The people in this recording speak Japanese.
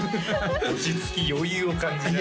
落ち着き余裕を感じます